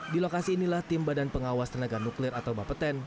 di lokasi inilah tim badan pengawas tenaga nuklir atau bapeten